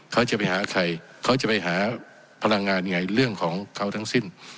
เขาจะไปหาใครเขาจะไปหาพลังงานยังไงเรื่องของเขาทั้งสิ้น